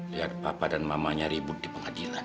lihat papa dan mamanya ribut di pengadilan